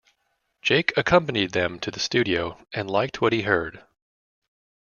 Jake accompanied them to the studio and liked what he heard.